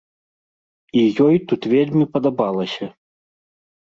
І ёй тут вельмі падабалася.